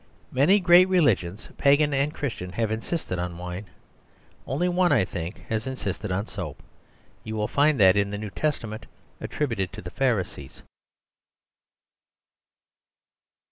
Many great religions, Pagan and Christian, have insisted on wine. Only one, I think, has insisted on Soap. You will find it in the New Testament attributed to the Pharisees.